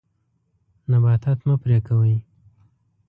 نباتات مه پرې کوئ.